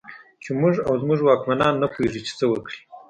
چې موږ او زموږ واکمنان نه پوهېږي چې څه وکړي.